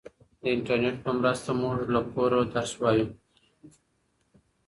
د انټرنیټ په مرسته موږ له کوره درس وایو.